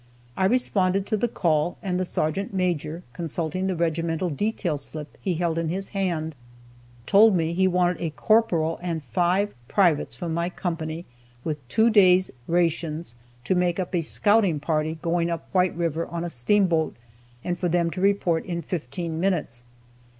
I responded to the call, and the Sergeant Major, consulting the regimental detail slip he held in his hand, told me he wanted a corporal and five privates from my company, with two days' rations, to help make up a scouting party going up White river on a steamboat, and for them to report in fifteen minutes.